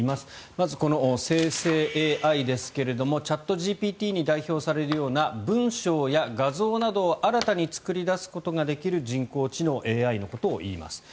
まず、この生成ＡＩですがチャットＧＰＴに代表されるような文章や画像などを新たに作り出すことができる人工知能・ＡＩのことをいいます。